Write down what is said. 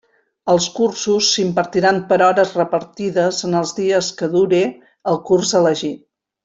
Els cursos s'impartiran per hores repartides en els dies que dure el curs elegit.